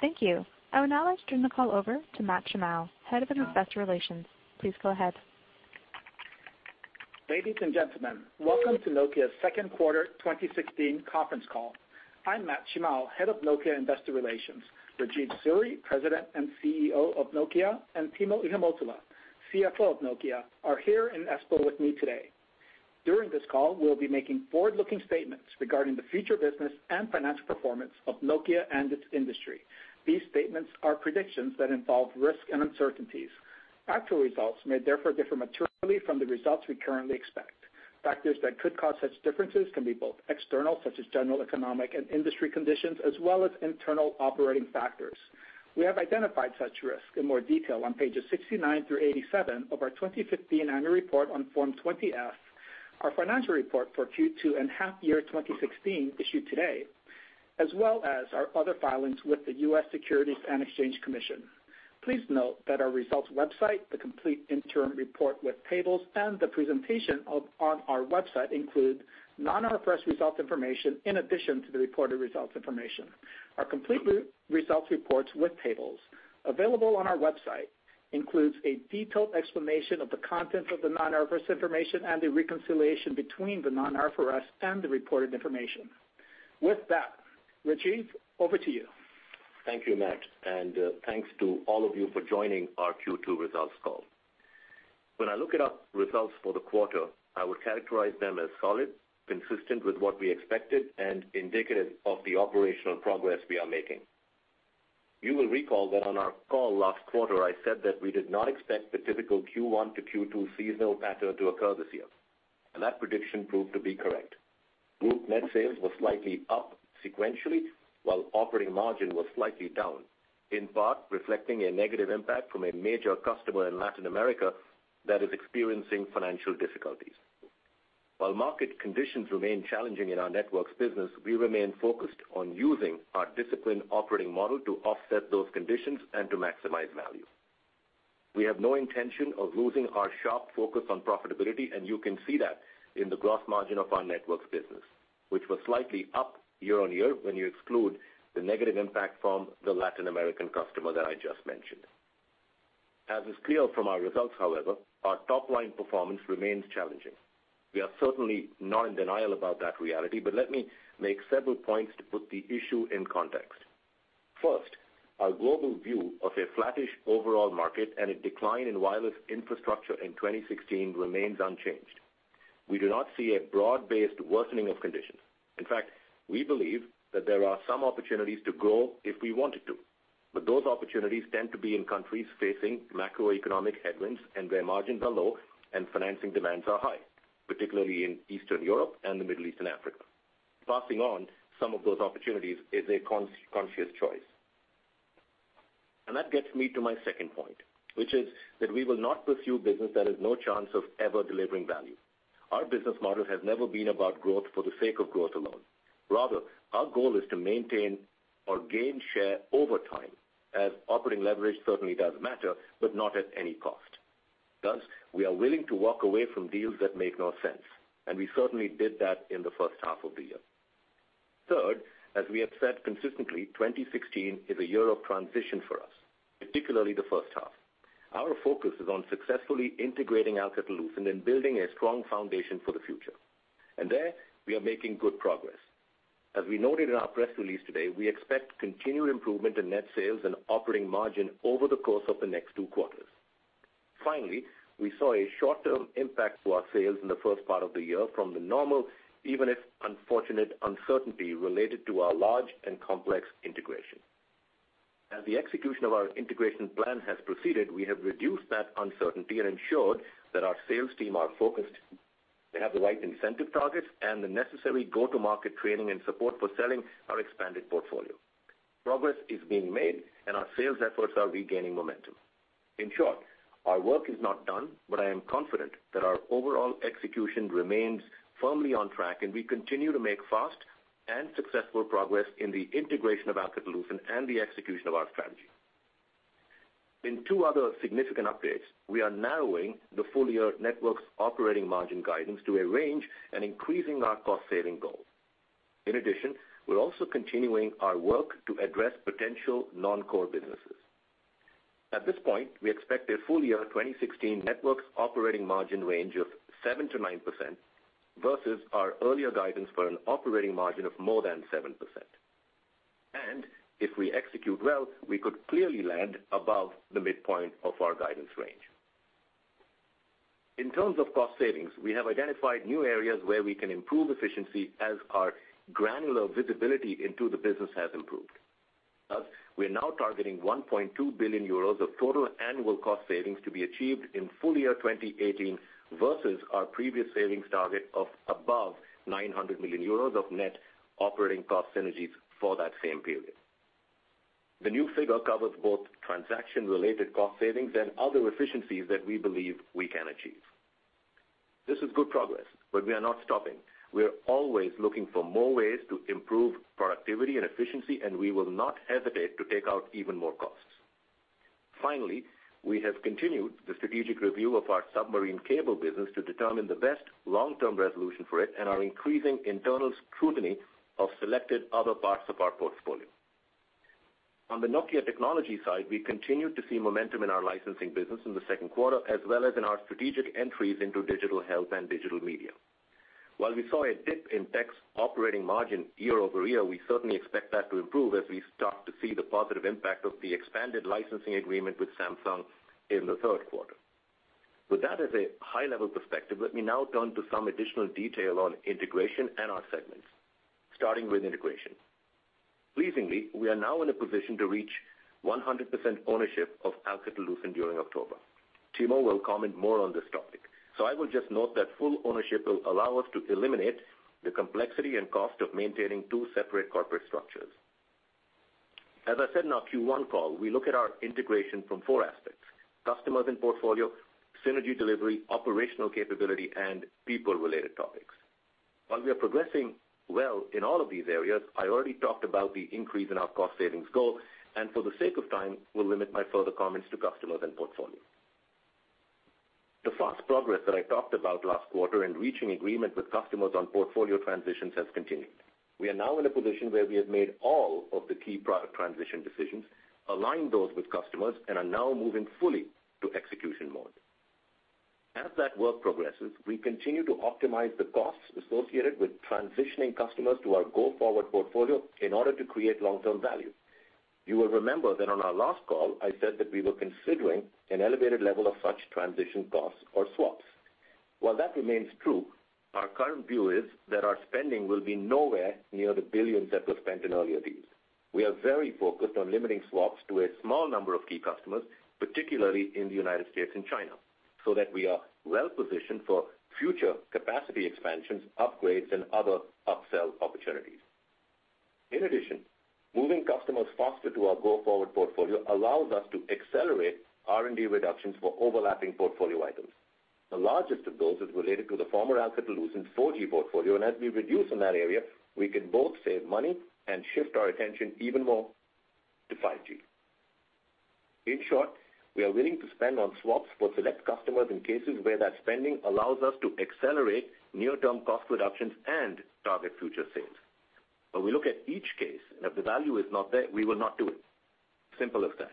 Thank you. I would now like to turn the call over to Matt Shimao, Head of Investor Relations. Please go ahead. Ladies and gentlemen, welcome to Nokia's second quarter 2016 conference call. I'm Matt Shimao, Head of Nokia Investor Relations. Rajeev Suri, President and CEO of Nokia, and Timo Ihamuotila, CFO of Nokia, are here in Espoo with me today. During this call, we'll be making forward-looking statements regarding the future business and financial performance of Nokia and its industry. These statements are predictions that involve risks and uncertainties. Actual results may therefore differ materially from the results we currently expect. Factors that could cause such differences can be both external, such as general economic and industry conditions, as well as internal operating factors. We have identified such risks in more detail on pages 69 through 87 of our 2015 annual report on Form 20-F, our financial report for Q2 and half year 2016 issued today, as well as our other filings with the U.S. Securities and Exchange Commission. Please note that our results website, the complete interim report with tables, and the presentation up on our website include non-IFRS results information in addition to the reported results information. Our complete results reports with tables available on our website includes a detailed explanation of the contents of the non-IFRS information and the reconciliation between the non-IFRS and the reported information. With that, Rajeev, over to you. Thank you, Matt, and thanks to all of you for joining our Q2 results call. When I look at our results for the quarter, I would characterize them as solid, consistent with what we expected, and indicative of the operational progress we are making. You will recall that on our call last quarter, I said that we did not expect the typical Q1 to Q2 seasonal pattern to occur this year, and that prediction proved to be correct. Group net sales were slightly up sequentially, while operating margin was slightly down, in part reflecting a negative impact from a major customer in Latin America that is experiencing financial difficulties. While market conditions remain challenging in our networks business, we remain focused on using our disciplined operating model to offset those conditions and to maximize value. We have no intention of losing our sharp focus on profitability, and you can see that in the gross margin of our networks business, which was slightly up year-on-year when you exclude the negative impact from the Latin American customer that I just mentioned. As is clear from our results, however, our top-line performance remains challenging. We are certainly not in denial about that reality, but let me make several points to put the issue in context. First, our global view of a flattish overall market and a decline in wireless infrastructure in 2016 remains unchanged. We do not see a broad-based worsening of conditions. In fact, we believe that there are some opportunities to grow if we wanted to, but those opportunities tend to be in countries facing macroeconomic headwinds and where margins are low and financing demands are high, particularly in Eastern Europe and the Middle East and Africa. Passing on some of those opportunities is a conscious choice. That gets me to my second point, which is that we will not pursue business that has no chance of ever delivering value. Our business model has never been about growth for the sake of growth alone. Rather, our goal is to maintain or gain share over time, as operating leverage certainly does matter, but not at any cost. Thus, we are willing to walk away from deals that make no sense, and we certainly did that in the first half of the year. Third, as we have said consistently, 2016 is a year of transition for us, particularly the first half. Our focus is on successfully integrating Alcatel-Lucent and building a strong foundation for the future. There we are making good progress. As we noted in our press release today, we expect continued improvement in net sales and operating margin over the course of the next two quarters. Finally, we saw a short-term impact to our sales in the first part of the year from the normal, even if unfortunate, uncertainty related to our large and complex integration. As the execution of our integration plan has proceeded, we have reduced that uncertainty and ensured that our sales team are focused. They have the right incentive targets and the necessary go-to-market training and support for selling our expanded portfolio. Progress is being made, and our sales efforts are regaining momentum. In short, our work is not done, but I am confident that our overall execution remains firmly on track, and we continue to make fast and successful progress in the integration of Alcatel-Lucent and the execution of our strategy. In two other significant updates, we are narrowing the full-year networks operating margin guidance to a range and increasing our cost-saving goals. In addition, we are also continuing our work to address potential non-core businesses. At this point, we expect a full-year 2016 networks operating margin range of 7%-9% versus our earlier guidance for an operating margin of more than 7%. If we execute well, we could clearly land above the midpoint of our guidance range. In terms of cost savings, we have identified new areas where we can improve efficiency as our granular visibility into the business has improved. We are now targeting 1.2 billion euros of total annual cost savings to be achieved in full year 2018 versus our previous savings target of above 900 million euros of net operating cost synergies for that same period. The new figure covers both transaction-related cost savings and other efficiencies that we believe we can achieve. This is good progress, we are not stopping. We are always looking for more ways to improve productivity and efficiency, and we will not hesitate to take out even more costs. Finally, we have continued the strategic review of our submarine cable business to determine the best long-term resolution for it and are increasing internal scrutiny of selected other parts of our portfolio. On the Nokia Technologies side, we continued to see momentum in our licensing business in the second quarter, as well as in our strategic entries into digital health and digital media. While we saw a dip in tech's operating margin year-over-year, we certainly expect that to improve as we start to see the positive impact of the expanded licensing agreement with Samsung in the third quarter. With that as a high-level perspective, let me now turn to some additional detail on integration and our segments. Starting with integration. Pleasingly, we are now in a position to reach 100% ownership of Alcatel-Lucent during October. Timo will comment more on this topic, so I will just note that full ownership will allow us to eliminate the complexity and cost of maintaining two separate corporate structures. As I said in our Q1 call, we look at our integration from four aspects: customers and portfolio, synergy delivery, operational capability, and people-related topics. While we are progressing well in all of these areas, I already talked about the increase in our cost savings goal, for the sake of time, will limit my further comments to customers and portfolio. The fast progress that I talked about last quarter in reaching agreement with customers on portfolio transitions has continued. We are now in a position where we have made all of the key product transition decisions, aligned those with customers, and are now moving fully to execution mode. As that work progresses, we continue to optimize the costs associated with transitioning customers to our go-forward portfolio in order to create long-term value. You will remember that on our last call, I said that we were considering an elevated level of such transition costs or swaps. While that remains true, our current view is that our spending will be nowhere near the billions that were spent in earlier deals. We are very focused on limiting swaps to a small number of key customers, particularly in the U.S. and China, so that we are well positioned for future capacity expansions, upgrades, and other upsell opportunities. In addition, moving customers faster to our go-forward portfolio allows us to accelerate R&D reductions for overlapping portfolio items. The largest of those is related to the former Alcatel-Lucent 4G portfolio, and as we reduce in that area, we can both save money and shift our attention even more to 5G. In short, we are willing to spend on swaps for select customers in cases where that spending allows us to accelerate near-term cost reductions and target future sales. We look at each case, and if the value is not there, we will not do it. Simple as that.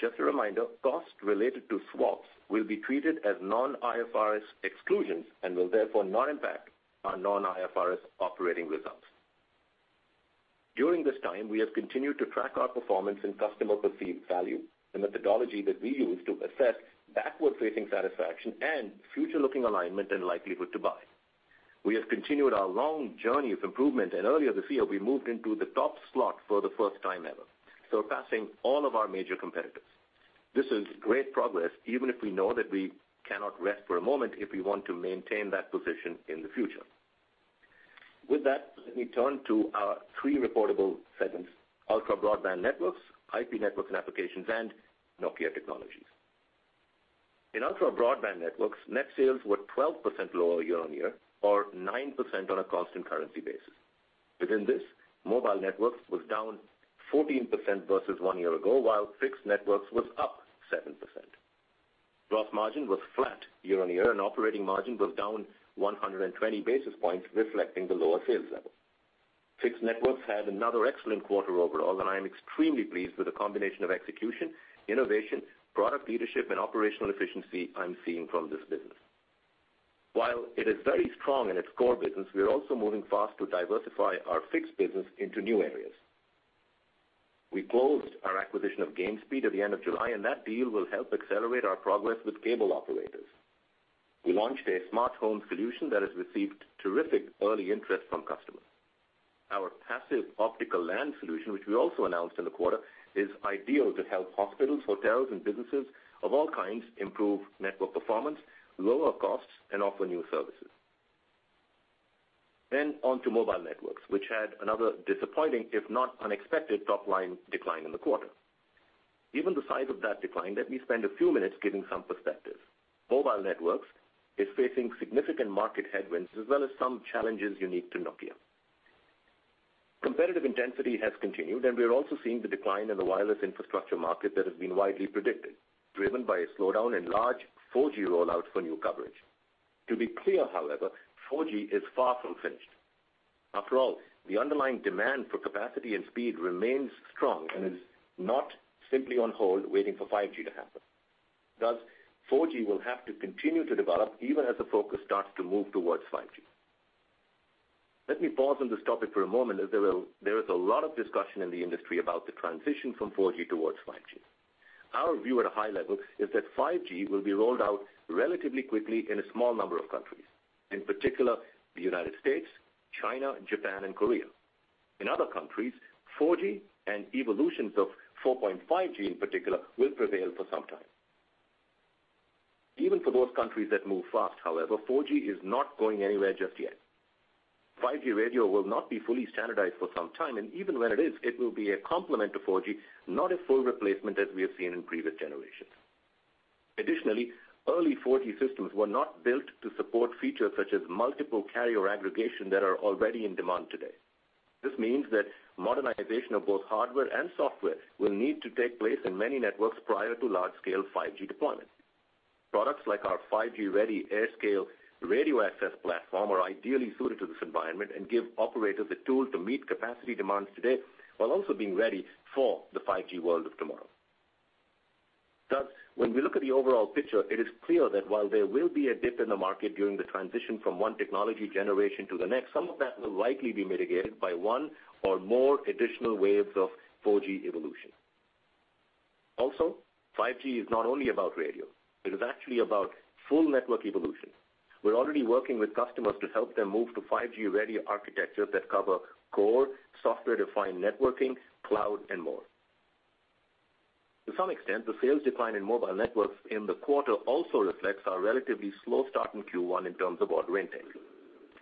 Just a reminder, costs related to swaps will be treated as non-IFRS exclusions and will therefore not impact our non-IFRS operating results. During this time, we have continued to track our performance in customer perceived value, the methodology that we use to assess backward-facing satisfaction and future-looking alignment and likelihood to buy. We have continued our long journey of improvement, and earlier this year, we moved into the top slot for the first time ever, surpassing all of our major competitors. This is great progress, even if we know that we cannot rest for a moment if we want to maintain that position in the future. With that, let me turn to our three reportable segments: Ultra Broadband Networks, IP Networks and Applications, and Nokia Technologies. In Ultra Broadband Networks, net sales were 12% lower year-on-year or 9% on a constant currency basis. Within this, Mobile Networks was down 14% versus one year ago, while Fixed Networks was up 7%. Gross margin was flat year-on-year, and operating margin was down 120 basis points, reflecting the lower sales level. Fixed Networks had another excellent quarter overall, and I am extremely pleased with the combination of execution, innovation, product leadership, and operational efficiency I'm seeing from this business. While it is very strong in its core business, we are also moving fast to diversify our fixed business into new areas. We closed our acquisition of Gainspeed at the end of July, and that deal will help accelerate our progress with cable operators. We launched a smart home solution that has received terrific early interest from customers. Our passive optical LAN solution, which we also announced in the quarter, is ideal to help hospitals, hotels, and businesses of all kinds improve network performance, lower costs, and offer new services. On to Mobile Networks, which had another disappointing, if not unexpected, top-line decline in the quarter. Given the size of that decline, let me spend a few minutes giving some perspective. Mobile Networks is facing significant market headwinds as well as some challenges unique to Nokia. Competitive intensity has continued, and we are also seeing the decline in the wireless infrastructure market that has been widely predicted, driven by a slowdown in large 4G rollouts for new coverage. To be clear, however, 4G is far from finished. After all, the underlying demand for capacity and speed remains strong and is not simply on hold waiting for 5G to happen. 4G will have to continue to develop even as the focus starts to move towards 5G. Let me pause on this topic for a moment, as there is a lot of discussion in the industry about the transition from 4G towards 5G. Our view at a high level is that 5G will be rolled out relatively quickly in a small number of countries, in particular, the U.S., China, Japan, and Korea. In other countries, 4G and evolutions of 4.5G in particular will prevail for some time. Even for those countries that move fast, however, 4G is not going anywhere just yet. 5G radio will not be fully standardized for some time, and even when it is, it will be a complement to 4G, not a full replacement as we have seen in previous generations. Additionally, early 4G systems were not built to support features such as multiple carrier aggregation that are already in demand today. This means that modernization of both hardware and software will need to take place in many networks prior to large scale 5G deployment. Products like our 5G-ready AirScale Radio Access platform are ideally suited to this environment and give operators a tool to meet capacity demands today, while also being ready for the 5G world of tomorrow. Thus, when we look at the overall picture, it is clear that while there will be a dip in the market during the transition from one technology generation to the next, some of that will likely be mitigated by one or more additional waves of 4G evolution. Also, 5G is not only about radio. It is actually about full network evolution. We're already working with customers to help them move to 5G-ready architecture that cover core, software defined networking, cloud and more. To some extent, the sales decline in Mobile Networks in the quarter also reflects our relatively slow start in Q1 in terms of order intake.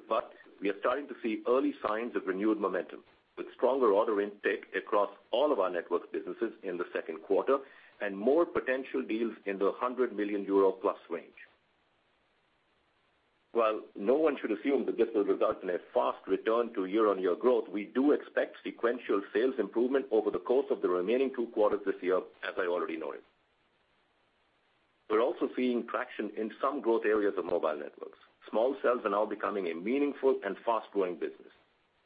But we are starting to see early signs of renewed momentum with stronger order intake across all of our networks businesses in the second quarter and more potential deals in the 100 million euro plus range. While no one should assume that this will result in a fast return to year-on-year growth, we do expect sequential sales improvement over the course of the remaining two quarters this year, as I already noted. We're also seeing traction in some growth areas of Mobile Networks. Small cells are now becoming a meaningful and fast-growing business,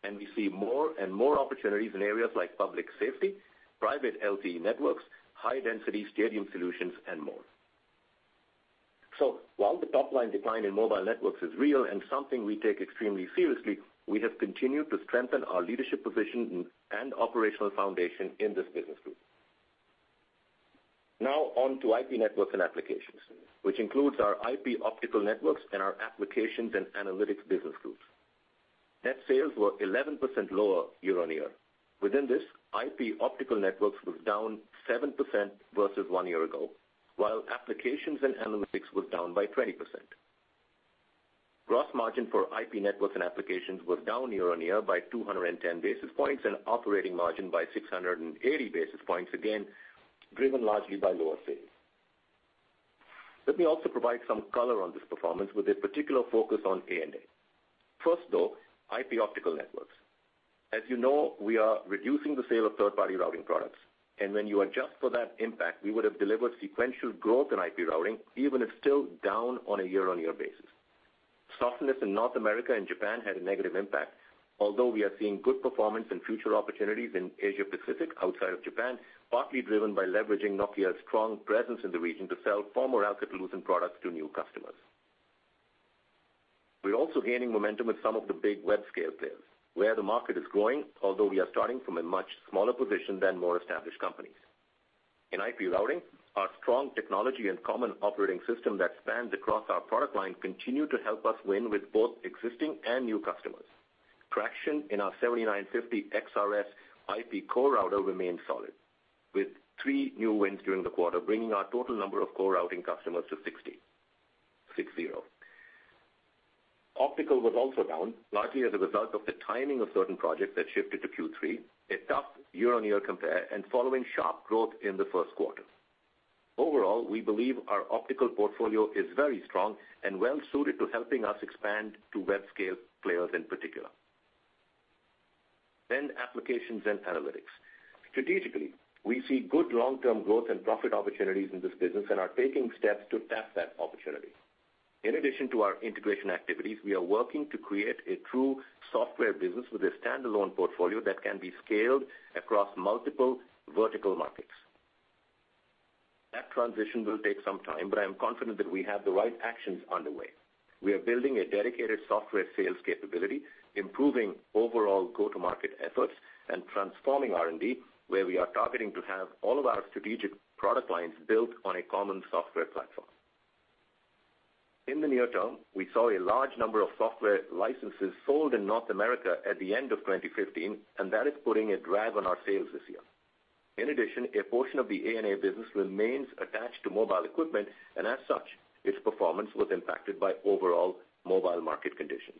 and we see more and more opportunities in areas like public safety, private LTE networks, high density stadium solutions, and more. So while the top line decline in Mobile Networks is real and something we take extremely seriously, we have continued to strengthen our leadership position and operational foundation in this business group. Now on to IP Networks and Applications, which includes our IP/Optical Networks and our Applications & Analytics business groups. Net sales were 11% lower year-on-year. Within this, IP/Optical Networks was down 7% versus one year ago, while Applications & Analytics was down by 20%. Gross margin for IP Networks and Applications was down year-on-year by 210 basis points and operating margin by 680 basis points, again, driven largely by lower sales. Let me also provide some color on this performance with a particular focus on A&A. First, though, IP/Optical Networks. As you know, we are reducing the sale of third party routing products. And when you adjust for that impact, we would have delivered sequential growth in IP routing, even if still down on a year-on-year basis. Softness in North America and Japan had a negative impact, although we are seeing good performance and future opportunities in Asia Pacific outside of Japan, partly driven by leveraging Nokia's strong presence in the region to sell former Alcatel products to new customers. We're also gaining momentum with some of the big web scale players where the market is growing, although we are starting from a much smaller position than more established companies. In IP routing, our strong technology and common operating system that spans across our product line continue to help us win with both existing and new customers. Traction in our 7950 XRS IP core router remains solid, with three new wins during the quarter, bringing our total number of core routing customers to 60. Optical was also down, largely as a result of the timing of certain projects that shifted to Q3, a tough year-on-year compare and following sharp growth in the first quarter. Overall, we believe our optical portfolio is very strong and well suited to helping us expand to web scale players in particular. Applications & Analytics. Strategically, we see good long term growth and profit opportunities in this business and are taking steps to tap that opportunity. In addition to our integration activities, we are working to create a true software business with a standalone portfolio that can be scaled across multiple vertical markets. That transition will take some time, but I am confident that we have the right actions underway. We are building a dedicated software sales capability, improving overall go-to-market efforts, and transforming R&D, where we are targeting to have all of our strategic product lines built on a common software platform. In the near term, we saw a large number of software licenses sold in North America at the end of 2015, and that is putting a drag on our sales this year. In addition, a portion of the A&A business remains attached to mobile equipment, and as such, its performance was impacted by overall mobile market conditions.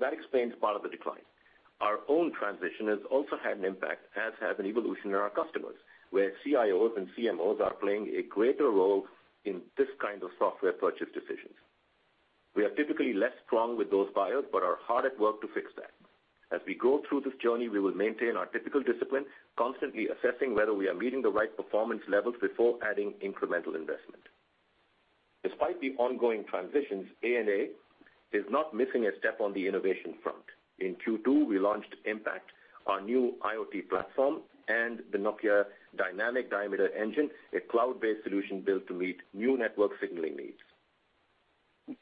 That explains part of the decline. Our own transition has also had an impact, as has an evolution in our customers, where CIOs and CMOs are playing a greater role in this kind of software purchase decisions. We are typically less strong with those buyers, but are hard at work to fix that. As we go through this journey, we will maintain our typical discipline, constantly assessing whether we are meeting the right performance levels before adding incremental investment. Despite the ongoing transitions, A&A is not missing a step on the innovation front. In Q2, we launched IMPACT, our new IoT platform, and the Nokia Dynamic Diameter Engine, a cloud-based solution built to meet new network signaling needs.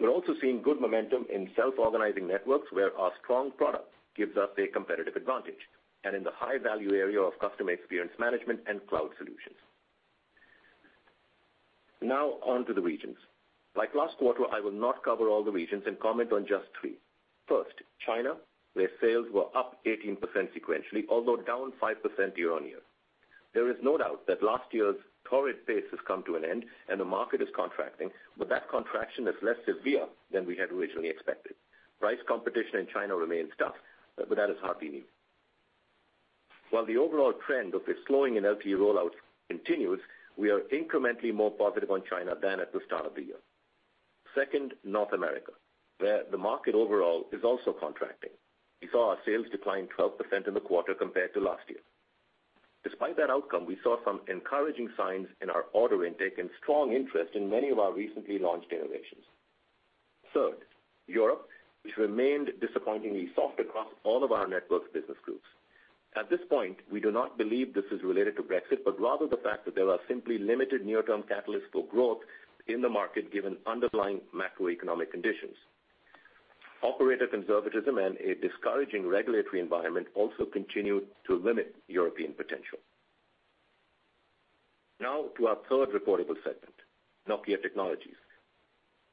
We are also seeing good momentum in self-organizing networks where our strong product gives us a competitive advantage, and in the high value area of customer experience management and cloud solutions. On to the regions. Like last quarter, I will not cover all the regions and comment on just three. First, China, where sales were up 18% sequentially, although down 5% year-on-year. There is no doubt that last year's torrid pace has come to an end and the market is contracting, but that contraction is less severe than we had originally expected. Price competition in China remains tough, but that is hardly new. While the overall trend of the slowing in LTE rollout continues, we are incrementally more positive on China than at the start of the year. Second, North America, where the market overall is also contracting. We saw our sales decline 12% in the quarter compared to last year. Despite that outcome, we saw some encouraging signs in our order intake and strong interest in many of our recently launched innovations. Third, Europe, which remained disappointingly soft across all of our networks business groups. At this point, we do not believe this is related to Brexit, but rather the fact that there are simply limited near-term catalysts for growth in the market given underlying macroeconomic conditions. Operator conservatism and a discouraging regulatory environment also continue to limit European potential. Now to our third reportable segment, Nokia Technologies.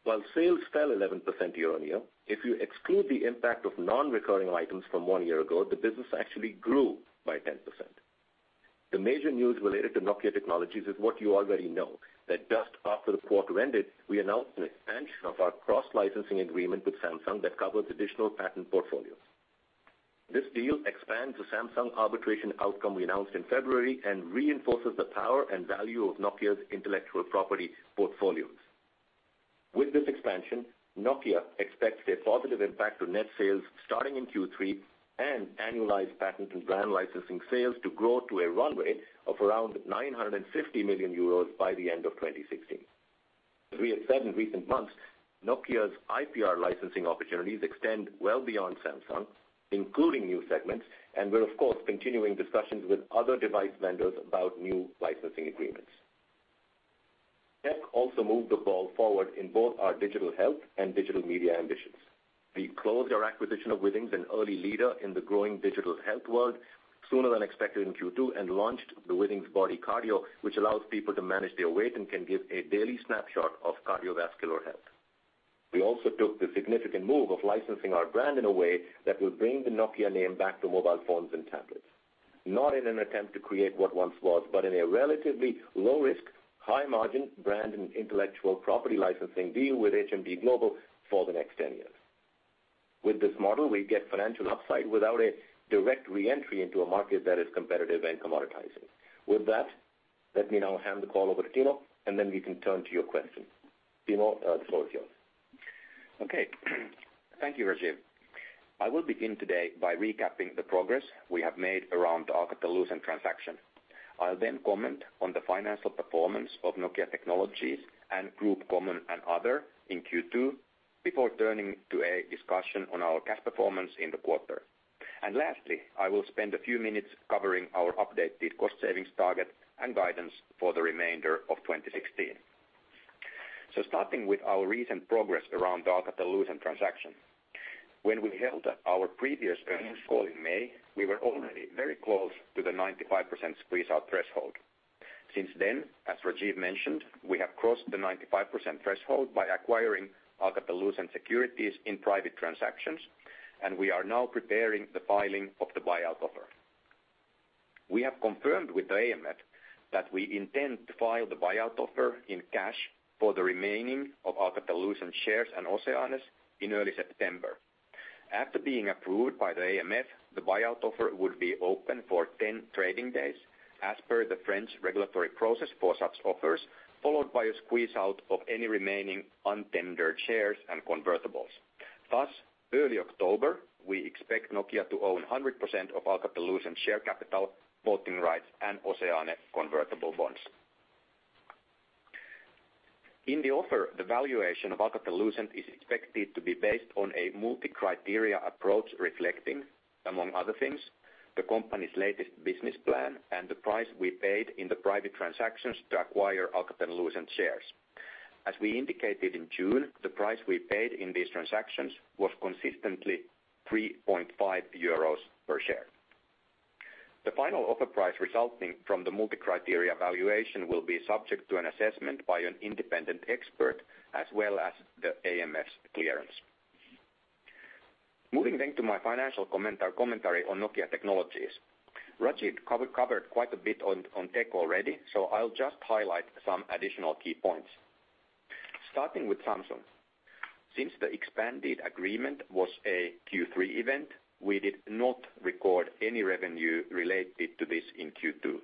While sales fell 11% year-on-year, if you exclude the impact of non-recurring items from one year ago, the business actually grew by 10%. The major news related to Nokia Technologies is what you already know, that just after the quarter ended, we announced an expansion of our cross-licensing agreement with Samsung that covers additional patent portfolios. This deal expands the Samsung arbitration outcome we announced in February and reinforces the power and value of Nokia's intellectual property portfolios. With this expansion, Nokia expects a positive impact to net sales starting in Q3 and annualized patent and brand licensing sales to grow to a run rate of around 950 million euros by the end of 2016. As we have said in recent months, Nokia's IPR licensing opportunities extend well beyond Samsung, including new segments, and we're of course, continuing discussions with other device vendors about new licensing agreements. Tech also moved the ball forward in both our digital health and digital media ambitions. We closed our acquisition of Withings, an early leader in the growing digital health world, sooner than expected in Q2 and launched the Withings Body Cardio, which allows people to manage their weight and can give a daily snapshot of cardiovascular health. We also took the significant move of licensing our brand in a way that will bring the Nokia name back to mobile phones and tablets, not in an attempt to create what once was, but in a relatively low risk, high margin brand and intellectual property licensing deal with HMD Global for the next 10 years. With this model, we get financial upside without a direct re-entry into a market that is competitive and commoditizing. With that, let me now hand the call over to Timo, and then we can turn to your questions. Timo, the floor is yours. Okay. Thank you, Rajeev. I will begin today by recapping the progress we have made around the Alcatel-Lucent transaction. I'll then comment on the financial performance of Nokia Technologies and Group Common and Other in Q2, before turning to a discussion on our cash performance in the quarter. Lastly, I will spend a few minutes covering our updated cost savings target and guidance for the remainder of 2016. Starting with our recent progress around the Alcatel-Lucent transaction. When we held our previous earnings call in May, we were already very close to the 95% squeeze-out threshold. Since then, as Rajeev mentioned, we have crossed the 95% threshold by acquiring Alcatel-Lucent securities in private transactions, and we are now preparing the filing of the buyout offer. We have confirmed with the AMF that we intend to file the buyout offer in cash for the remaining of Alcatel-Lucent shares and OCEANEs in early September. After being approved by the AMF, the buyout offer would be open for 10 trading days as per the French regulatory process for such offers, followed by a squeeze-out of any remaining untendered shares and convertibles. Thus, early October, we expect Nokia to own 100% of Alcatel-Lucent share capital, voting rights, and OCEANe convertible bonds. In the offer, the valuation of Alcatel-Lucent is expected to be based on a multi-criteria approach reflecting, among other things, the company's latest business plan and the price we paid in the private transactions to acquire Alcatel-Lucent shares. As we indicated in June, the price we paid in these transactions was consistently €3.50 per share. The final offer price resulting from the multi-criteria valuation will be subject to an assessment by an independent expert as well as the AMF clearance. Moving to my financial commentary on Nokia Technologies. Rajeev covered quite a bit on Tech already, so I'll just highlight some additional key points. Starting with Samsung. Since the expanded agreement was a Q3 event, we did not record any revenue related to this in Q2.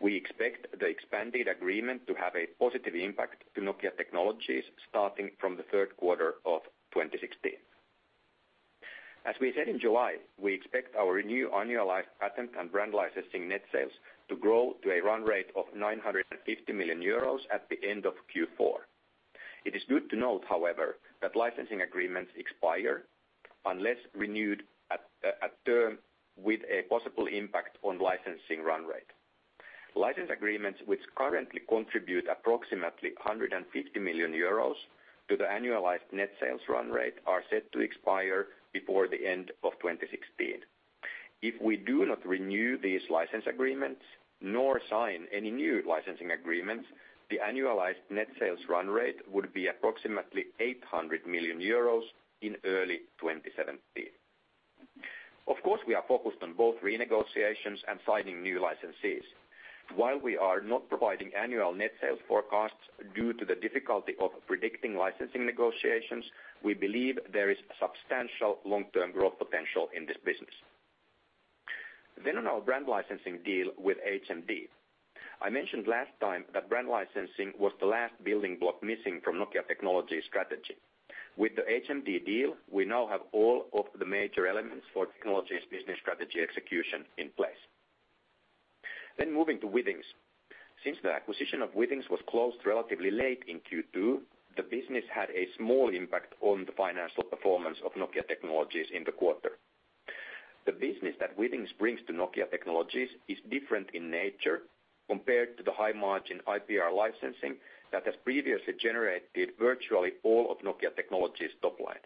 We expect the expanded agreement to have a positive impact to Nokia Technologies starting from the third quarter of 2016. As we said in July, we expect our new annualized patent and brand licensing net sales to grow to a run rate of 950 million euros at the end of Q4. It is good to note, however, that licensing agreements expire unless renewed a term with a possible impact on licensing run rate. License agreements which currently contribute approximately 150 million euros to the annualized net sales run rate are set to expire before the end of 2016. If we do not renew these license agreements nor sign any new licensing agreements, the annualized net sales run rate would be approximately 800 million euros in early 2017. Of course, we are focused on both renegotiations and signing new licensees. While we are not providing annual net sales forecasts due to the difficulty of predicting licensing negotiations, we believe there is substantial long-term growth potential in this business. On our brand licensing deal with HMD. I mentioned last time that brand licensing was the last building block missing from Nokia Technologies strategy. With the HMD deal, we now have all of the major elements for Technologies business strategy execution in place. Moving to Withings. Since the acquisition of Withings was closed relatively late in Q2, the business had a small impact on the financial performance of Nokia Technologies in the quarter. The business that Withings brings to Nokia Technologies is different in nature compared to the high margin IPR licensing that has previously generated virtually all of Nokia Technologies' top line.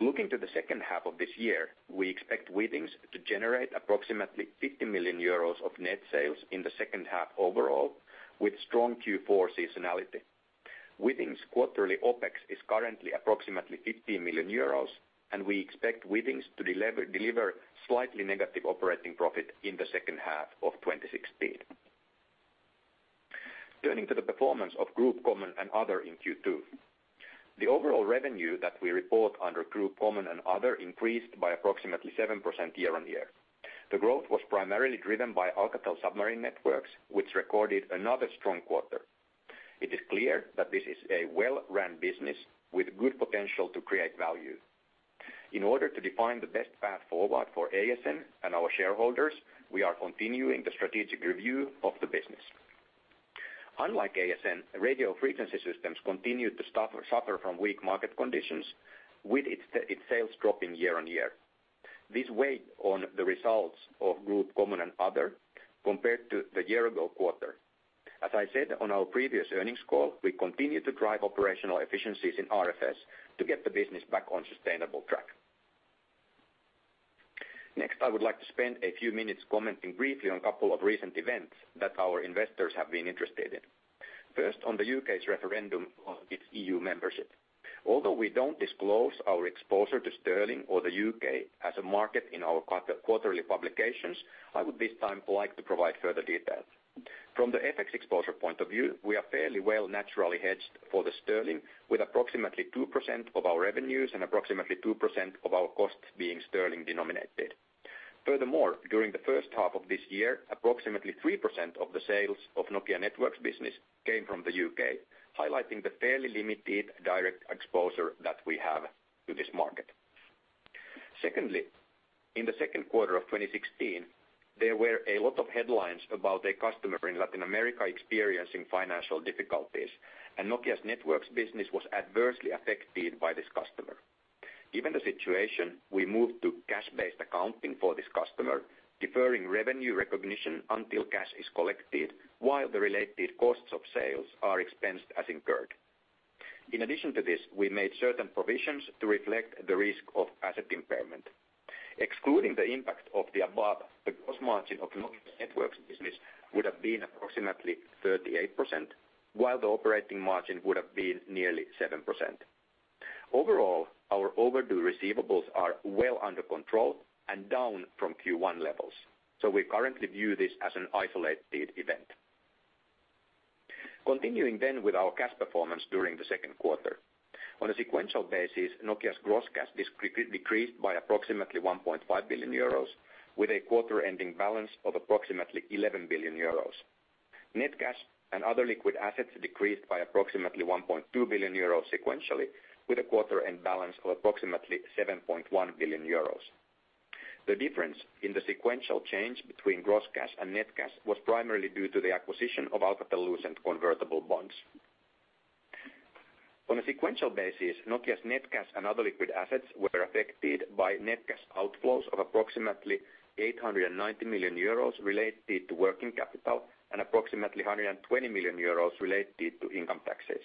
Looking to the second half of this year, we expect Withings to generate approximately 50 million euros of net sales in the second half overall, with strong Q4 seasonality. Withings' quarterly OpEx is currently approximately 15 million euros, and we expect Withings to deliver slightly negative operating profit in the second half of 2016. Turning to the performance of Group Common and Other in Q2. The overall revenue that we report under Group Common and Other increased by approximately 7% year-on-year. The growth was primarily driven by Alcatel Submarine Networks, which recorded another strong quarter. It is clear that this is a well-ran business with good potential to create value. In order to define the best path forward for ASN and our shareholders, we are continuing the strategic review of the business. Unlike ASN, Radio Frequency Systems continued to suffer from weak market conditions, with its sales dropping year-on-year. This weighed on the results of Group Common and Other compared to the year-ago quarter. As I said on our previous earnings call, we continue to drive operational efficiencies in RFS to get the business back on sustainable track. I would like to spend a few minutes commenting briefly on a couple of recent events that our investors have been interested in. First, on the U.K.'s referendum on its EU membership. Although we don't disclose our exposure to sterling or the U.K. as a market in our quarterly publications, I would this time like to provide further details. From the FX exposure point of view, we are fairly well naturally hedged for the sterling, with approximately 2% of our revenues and approximately 2% of our costs being sterling denominated. Furthermore, during the first half of this year, approximately 3% of the sales of Nokia Networks business came from the U.K., highlighting the fairly limited direct exposure that we have to this market. In the second quarter of 2016, there were a lot of headlines about a customer in Latin America experiencing financial difficulties, and Nokia's networks business was adversely affected by this customer. Given the situation, we moved to cash-based accounting for this customer, deferring revenue recognition until cash is collected while the related costs of sales are expensed as incurred. In addition to this, we made certain provisions to reflect the risk of asset impairment. Excluding the impact of the above, the gross margin of Nokia's networks business would have been approximately 38%, while the operating margin would have been nearly 7%. Overall, our overdue receivables are well under control and down from Q1 levels. We currently view this as an isolated event. With our cash performance during the second quarter. On a sequential basis, Nokia's gross cash decreased by approximately 1.5 billion euros, with a quarter-ending balance of approximately 11 billion euros. Net cash and other liquid assets decreased by approximately 1.2 billion euros sequentially, with a quarter-end balance of approximately 7.1 billion euros. The difference in the sequential change between gross cash and net cash was primarily due to the acquisition of Alcatel-Lucent convertible bonds. On a sequential basis, Nokia's net cash and other liquid assets were affected by net cash outflows of approximately 890 million euros related to working capital and approximately 120 million euros related to income taxes.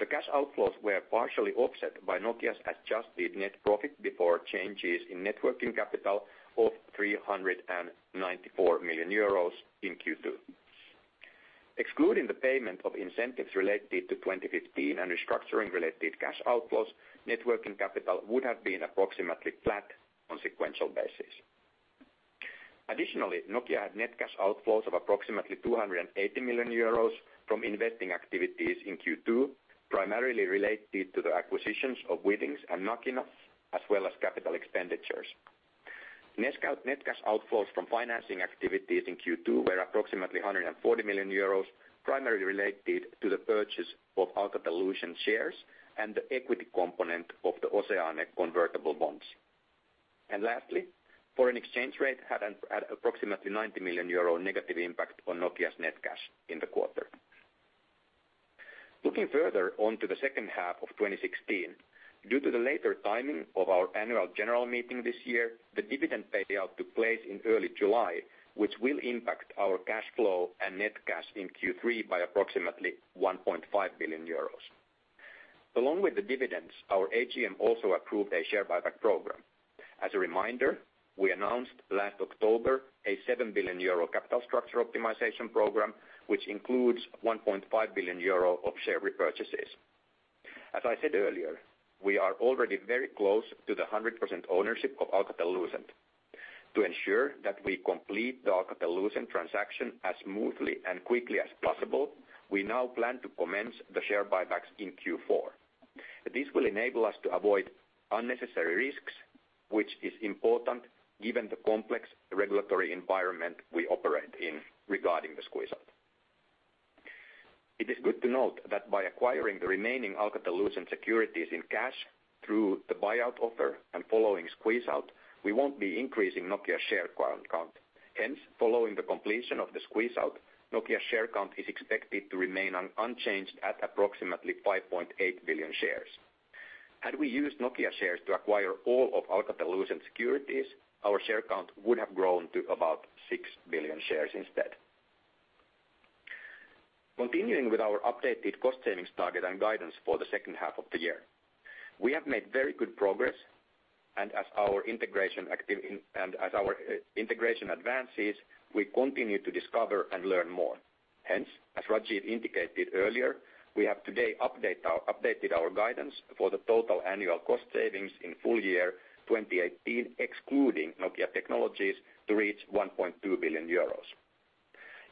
The cash outflows were partially offset by Nokia's adjusted net profit before changes in net working capital of 394 million euros in Q2. Excluding the payment of incentives related to 2015 and restructuring related cash outflows, net working capital would have been approximately flat on a sequential basis. Nokia had net cash outflows of approximately 280 million euros from investing activities in Q2, primarily related to the acquisitions of Withings and Nakina Systems as well as capital expenditures. Net cash outflows from financing activities in Q2 were approximately 140 million euros, primarily related to the purchase of Alcatel-Lucent shares and the equity component of the OCEANEs convertible bonds. Lastly, foreign exchange rate had approximately 90 million euro negative impact on Nokia's net cash in the quarter. Looking further onto the second half of 2016. Due to the later timing of our annual general meeting this year, the dividend payout took place in early July, which will impact our cash flow and net cash in Q3 by approximately 1.5 billion euros. Along with the dividends, our AGM also approved a share buyback program. As a reminder, we announced last October a 7 billion euro capital structure optimization program, which includes 1.5 billion euro of share repurchases. As I said earlier, we are already very close to the 100% ownership of Alcatel-Lucent. To ensure that we complete the Alcatel-Lucent transaction as smoothly and quickly as possible, we now plan to commence the share buybacks in Q4. This will enable us to avoid unnecessary risks, which is important given the complex regulatory environment we operate in regarding the squeeze out. It is good to note that by acquiring the remaining Alcatel-Lucent securities in cash through the buyout offer and following squeeze out, we won't be increasing Nokia share count. Hence, following the completion of the squeeze out, Nokia share count is expected to remain unchanged at approximately 5.8 billion shares. Had we used Nokia shares to acquire all of Alcatel-Lucent securities, our share count would have grown to about 6 billion shares instead. Continuing with our updated cost savings target and guidance for the second half of the year. We have made very good progress, as our integration advances, we continue to discover and learn more. Hence, as Rajeev indicated earlier, we have today updated our guidance for the total annual cost savings in full year 2018, excluding Nokia Technologies, to reach 1.2 billion euros.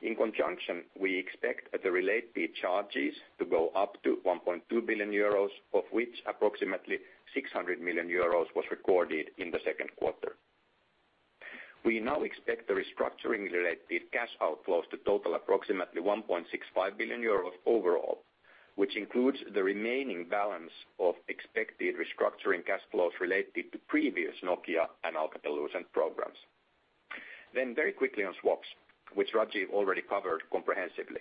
In conjunction, we expect the related charges to go up to 1.2 billion euros, of which approximately 600 million euros was recorded in the second quarter. We now expect the restructuring-related cash outflows to total approximately 1.65 billion euros overall, which includes the remaining balance of expected restructuring cash flows related to previous Nokia and Alcatel-Lucent programs. Very quickly on swaps, which Rajeev already covered comprehensively.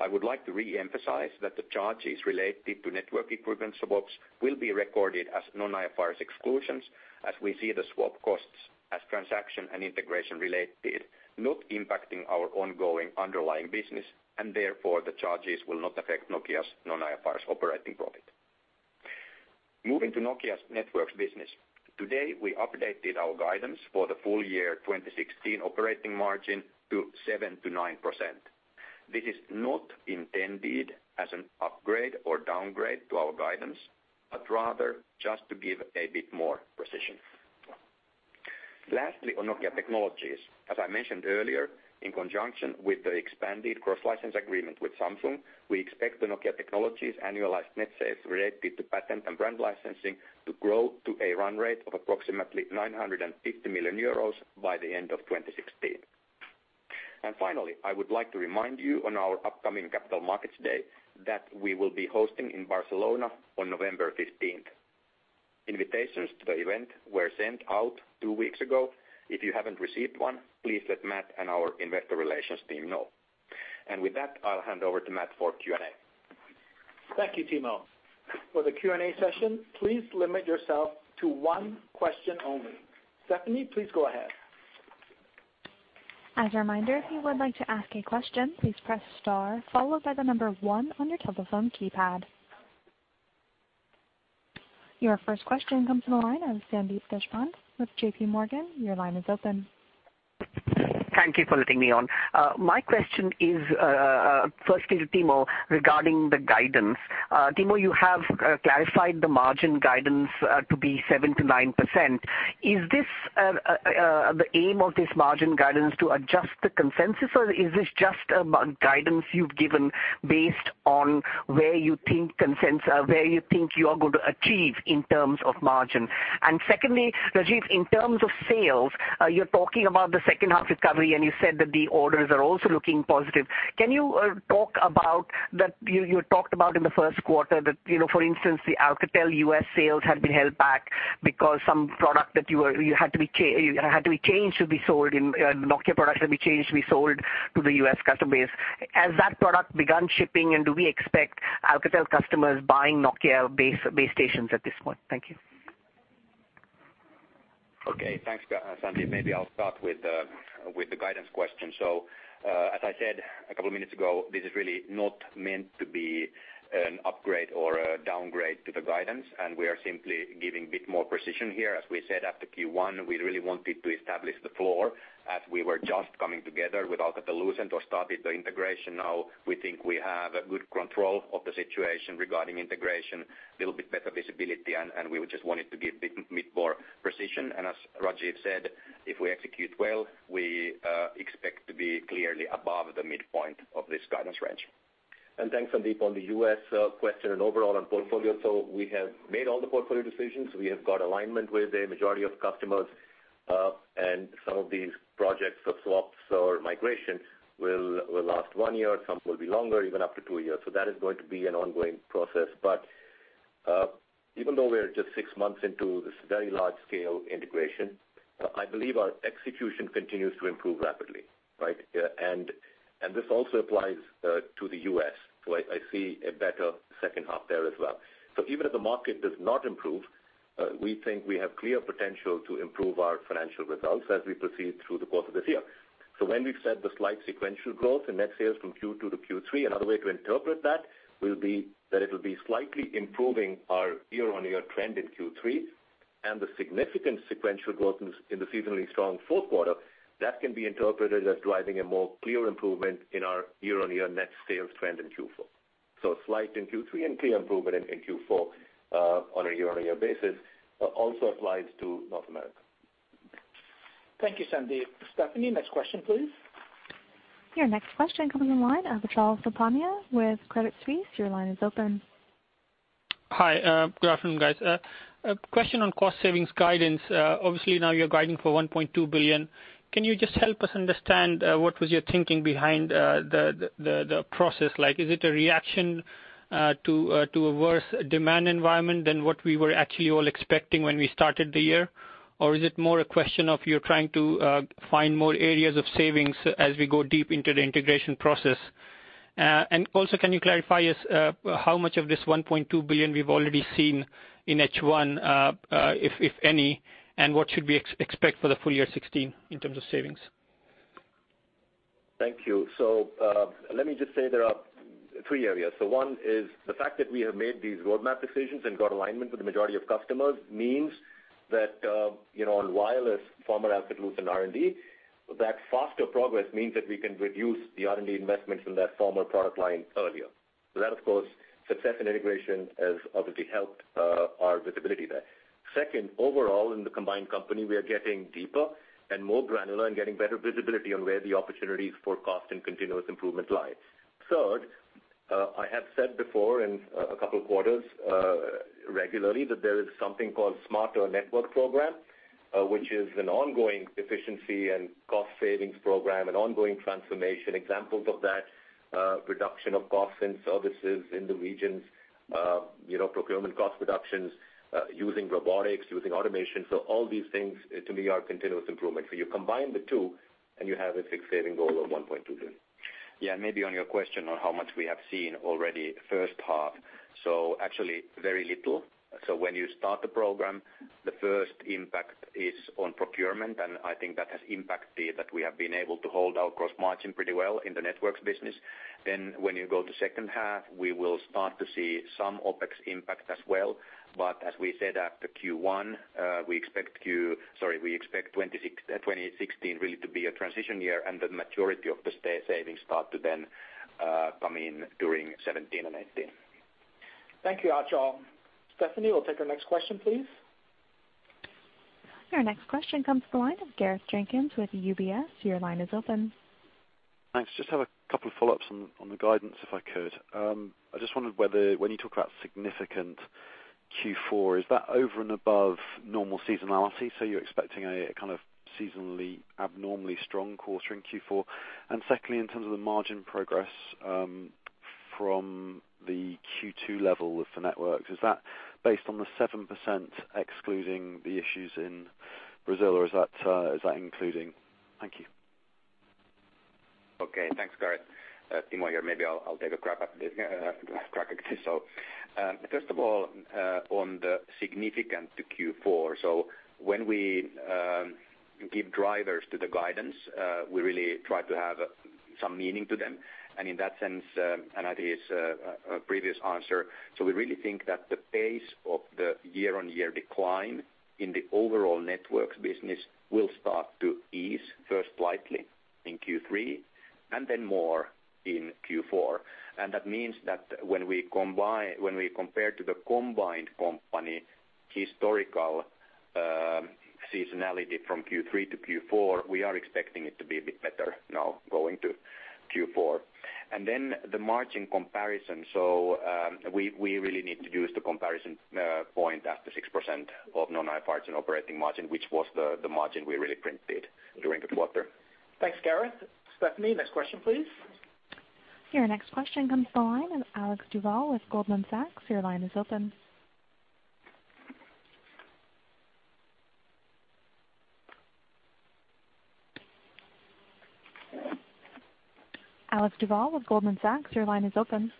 I would like to reemphasize that the charges related to network equipment swaps will be recorded as non-IFRS exclusions as we see the swap costs as transaction and integration related, not impacting our ongoing underlying business, and therefore, the charges will not affect Nokia's non-IFRS operating profit. Moving to Nokia's networks business. Today, we updated our guidance for the full year 2016 operating margin to 7%-9%. This is not intended as an upgrade or downgrade to our guidance, but rather just to give a bit more precision. Lastly, on Nokia Technologies, as I mentioned earlier, in conjunction with the expanded cross-license agreement with Samsung, we expect the Nokia Technologies annualized net sales related to patent and brand licensing to grow to a run rate of approximately 950 million euros by the end of 2016. Finally, I would like to remind you on our upcoming Capital Markets Day that we will be hosting in Barcelona on November 15th. Invitations to the event were sent out two weeks ago. If you haven't received one, please let Matt and our investor relations team know. With that, I'll hand over to Matt for Q&A. Thank you, Timo. For the Q&A session, please limit yourself to one question only. Stephanie, please go ahead. As a reminder, if you would like to ask a question, please press star followed by the number one on your telephone keypad. Your first question comes from the line of Sandeep Deshpande with JPMorgan. Your line is open. Thank you for letting me on. My question is firstly to Timo regarding the guidance. Timo, you have clarified the margin guidance to be 7%-9%. Secondly, Rajeev, in terms of sales, you're talking about the second half recovery, and you said that the orders are also looking positive. You talked about in the first quarter that, for instance, the Alcatel U.S. sales had been held back because some Nokia product had to be changed to be sold to the U.S. customer base. Has that product begun shipping, and do we expect Alcatel customers buying Nokia base stations at this point? Thank you. Thanks, Sandeep. Maybe I'll start with the guidance question. As I said a couple of minutes ago, this is really not meant to be an upgrade or a downgrade to the guidance, and we are simply giving a bit more precision here. As we said after Q1, we really wanted to establish the floor as we were just coming together with Alcatel-Lucent or started the integration. Now we think we have good control of the situation regarding integration, little bit better visibility, and we just wanted to give bit more precision. As Rajeev said, if we execute well, we expect to be clearly above the midpoint of this guidance range. Thanks, Sandeep, on the U.S. question and overall on portfolio. We have made all the portfolio decisions. We have got alignment with the majority of customers. Some of these projects of swaps or migration will last one year, some will be longer, even up to two years. That is going to be an ongoing process. Even though we're just six months into this very large-scale integration, I believe our execution continues to improve rapidly. Right? This also applies to the U.S., where I see a better second half there as well. Even if the market does not improve, we think we have clear potential to improve our financial results as we proceed through the course of this year. When we've said the slight sequential growth in net sales from Q2 to Q3, another way to interpret that will be that it'll be slightly improving our year-on-year trend in Q3. The significant sequential growth in the seasonally strong fourth quarter, that can be interpreted as driving a more clear improvement in our year-on-year net sales trend in Q4. Slight in Q3 and clear improvement in Q4 on a year-on-year basis, also applies to North America. Thank you, Sandeep. Stephanie, next question, please. Your next question coming on the line, Achal Sultania with Credit Suisse, your line is open. Hi, good afternoon, guys. A question on cost savings guidance. Obviously, now you're guiding for 1.2 billion. Can you just help us understand what was your thinking behind the process like? Is it a reaction to a worse demand environment than what we were actually all expecting when we started the year? Or is it more a question of you're trying to find more areas of savings as we go deep into the integration process? Also, can you clarify as how much of this 1.2 billion we've already seen in H1, if any? What should we expect for the full year 2016 in terms of savings? Thank you. Let me just say there are three areas. One is the fact that we have made these roadmap decisions and got alignment with the majority of customers means that, on wireless, former Alcatel-Lucent R&D, that faster progress means that we can reduce the R&D investments in that former product line earlier. That, of course, success in integration has obviously helped our visibility there. Second, overall in the combined company, we are getting deeper and more granular and getting better visibility on where the opportunities for cost and continuous improvement lie. Third, I have said before in a couple of quarters, regularly, that there is something called smarter network program, which is an ongoing efficiency and cost savings program and ongoing transformation. Examples of that, reduction of costs and services in the regions, procurement cost reductions, using robotics, using automation. All these things to me are continuous improvement. You combine the two, and you have a fixed saving goal of 1.2 billion. Maybe on your question on how much we have seen already first half. Actually, very little. When you start the program, the first impact is on procurement, and I think that has impacted that we have been able to hold our gross margin pretty well in the networks business. When you go to second half, we will start to see some OpEx impact as well. As we said after Q1, we expect 2016 really to be a transition year and the maturity of the stay savings start to then come in during 2017 and 2018. Thank you, Achal. Stephanie, we will take our next question, please. Your next question comes to the line of Gareth Jenkins with UBS. Your line is open. Thanks. Just have a couple of follow-ups on the guidance, if I could. I just wondered whether when you talk about significant Q4, is that over and above normal seasonality? You are expecting a kind of seasonally abnormally strong quarter in Q4? Secondly, in terms of the margin progress from the Q2 level for networks, is that based on the 7% excluding the issues in Brazil, or is that including? Thank you. Thanks, Gareth. Timo here. Maybe I'll take a crack at this. First of all, on the significant to Q4. When we give drivers to the guidance, we really try to have some meaning to them. In that sense, and Adi's previous answer, we really think that the pace of the year-on-year decline in the overall networks business will start to ease first slightly in Q3 and then more in Q4. That means that when we compare to the combined company historical seasonality from Q3 to Q4, we are expecting it to be a bit better now going to Q4. The margin comparison. We really need to use the comparison point as to 6% of non-IFRS operating margin, which was the margin we really printed during the quarter. Thanks, Gareth. Stephanie, next question, please. Your next question comes to the line of Alex Duval with Goldman Sachs. Your line is open. Alex Duval with Goldman Sachs, your line is open.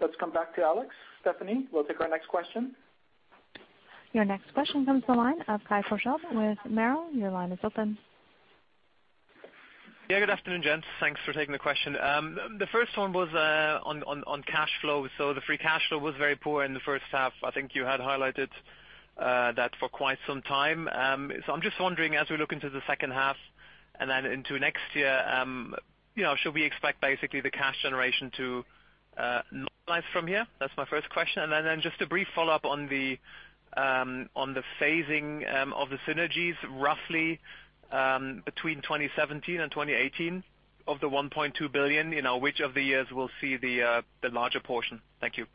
Let's come back to Alex. Stephanie, we'll take our next question. Your next question comes to the line of Kai Korschelt with Merrill. Your line is open. Good afternoon, gents. Thanks for taking the question. The first one was on cash flow. The free cash flow was very poor in the first half. I think you had highlighted that for quite some time. I'm just wondering, as we look into the second half and into next year, should we expect basically the cash generation to normalize from here? That's my first question. Just a brief follow-up on the phasing of the synergies roughly between 2017 and 2018 of the 1.2 billion, which of the years will see the larger portion? Thank you.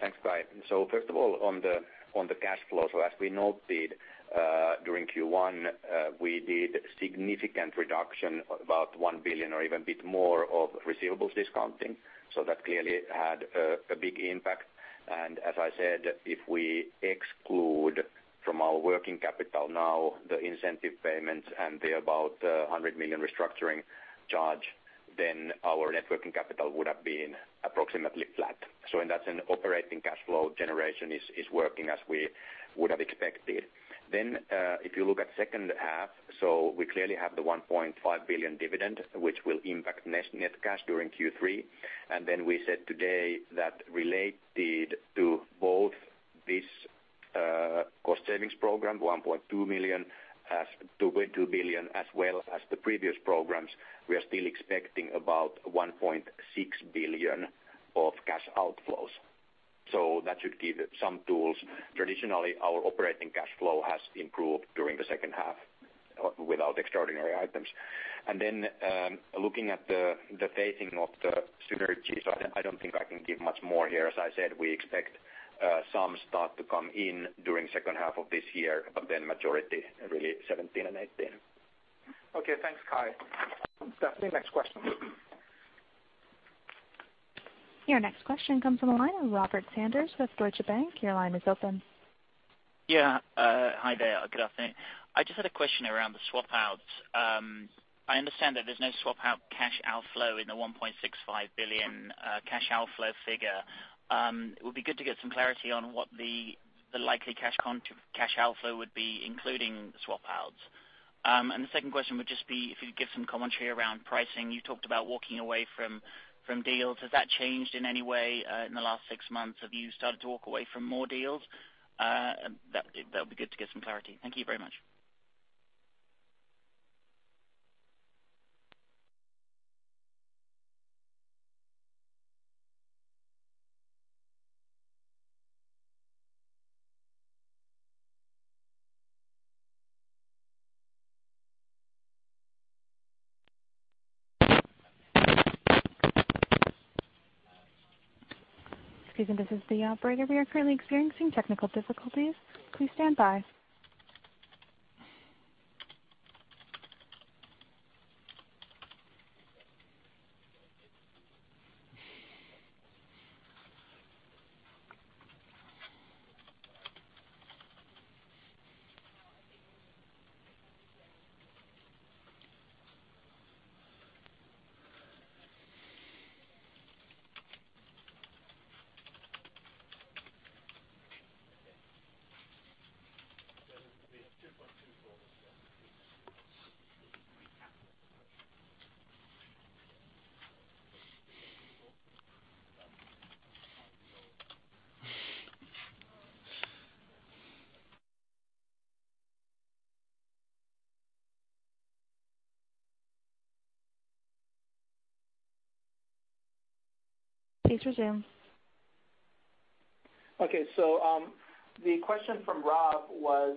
Thanks, Kai. First of all, on the cash flow. As we noted, during Q1, we did significant reduction, about 1 billion or even a bit more of receivables discounting. That clearly had a big impact. As I said, if we exclude from our working capital now the incentive payments and the about 100 million restructuring charge, our net working capital would have been approximately flat. That's an operating cash flow generation is working as we would have expected. If you look at second half, we clearly have the 1.5 billion dividend, which will impact net cash during Q3. We said today that related to both this Cost Savings Program 1.2 billion, as well as the previous programs, we are still expecting about 1.6 billion of cash outflows. That should give some tools. Traditionally, our operating cash flow has improved during the second half without extraordinary items. Looking at the phasing of the synergies, I don't think I can give much more here. As I said, we expect some start to come in during second half of this year, majority really 2017 and 2018. Okay, thanks, Kai. Stephanie, next question. Your next question comes from the line of Robert Sanders with Deutsche Bank. Your line is open. Yeah. Hi there. Good afternoon. I just had a question around the swap outs. I understand that there's no swap out cash outflow in the 1.65 billion cash outflow figure. It would be good to get some clarity on what the likely cash outflow would be including swap outs. The second question would just be if you could give some commentary around pricing. You talked about walking away from deals. Has that changed in any way in the last six months? Have you started to walk away from more deals? That'll be good to get some clarity. Thank you very much. Excuse me, this is the operator. We are currently experiencing technical difficulties. Please stand by. Please resume. Okay. The question from Rob was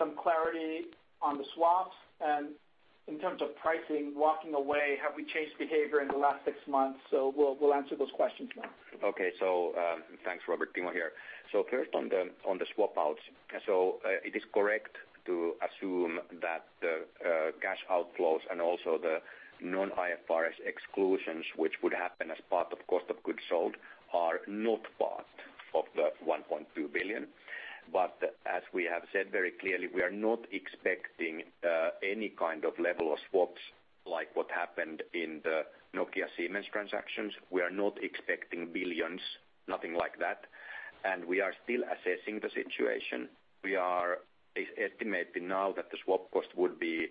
some clarity on the swaps and in terms of pricing walking away, have we changed behavior in the last six months? We'll answer those questions now. Okay. Thanks, Robert. Timo here. First on the swap outs. It is correct to assume that the cash outflows and also the non-IFRS exclusions, which would happen as part of cost of goods sold, are not part of the 1.2 billion. As we have said very clearly, we are not expecting any kind of level of swaps like what happened in the Nokia Siemens transactions. We are not expecting billions, nothing like that. We are still assessing the situation. We are estimating now that the swap cost would be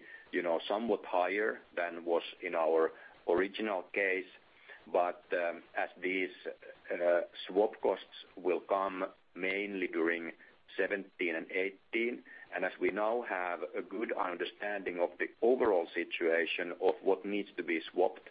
somewhat higher than was in our original case. As these swap costs will come mainly during 2017 and 2018, and as we now have a good understanding of the overall situation of what needs to be swapped,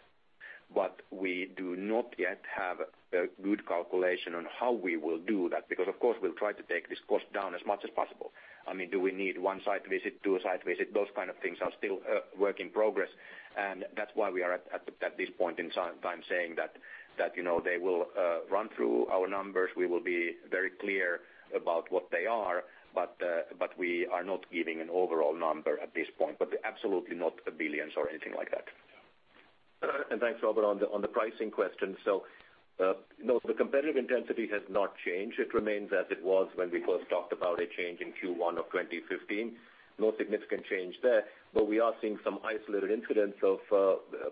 we do not yet have a good calculation on how we will do that. Of course, we'll try to take this cost down as much as possible. I mean, do we need one site visit, two site visit? Those kind of things are still a work in progress, and that's why we are at this point in time saying that they will run through our numbers. We will be very clear about what they are, we are not giving an overall number at this point. Absolutely not billions or anything like that. Yeah. Thanks, Robert, on the pricing question. The competitive intensity has not changed. It remains as it was when we first talked about a change in Q1 2015. No significant change there, we are seeing some isolated incidents of